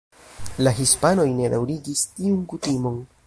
La hispanoj ne daŭrigis tiun kutimon.